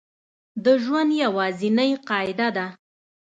د ژوند یوازینۍ قاعده ده